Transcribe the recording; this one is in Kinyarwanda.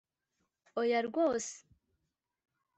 oya rwose